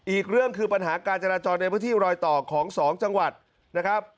อีกเรื่องคือปัญหาการจราจรในพื้นที่รอยต่อของ๒จังหวัดนะครับ